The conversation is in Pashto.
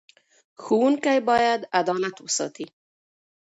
ښوونکي باید عدالت وساتي.